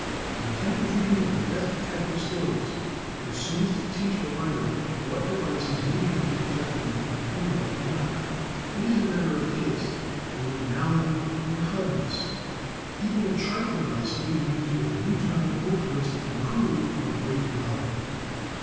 But attentive reading of the best detective stories will soonest teach a writer what devices may be used effectively, and what not. It is a matter of taste, originality and clever ness. Even a trite device may be used with a new turn or twist and prove of great value.